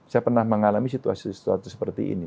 saya pernah mengalami situasi situasi seperti ini